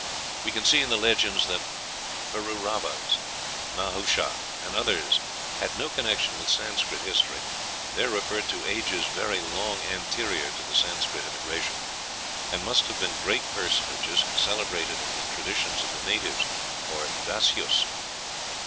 "We can see in the legends that Pururavas, Nahusha, and others had no connection with Sanscrit history. They are referred to ages very long anterior to the Sanscrit immigration, and must have been great personages celebrated in the traditions of the natives or Dasyus....